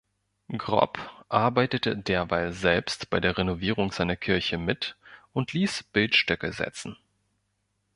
Gropp arbeitete derweil selbst bei der Renovierung seiner Kirche mit und ließ Bildstöcke setzen.